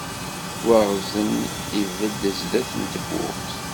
Waɣzen ibedd sdat n tewwurt.